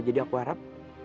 jadi aku harap